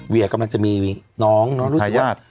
เวียก็มันจะมีน้องรู้สึกว่ามีทายาท